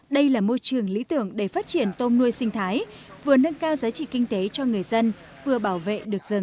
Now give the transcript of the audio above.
đây là môi trường lý tưởng để phát triển tôm nuôi sinh thái vừa nâng cao giá trị kinh tế cho người dân vừa bảo vệ được rừng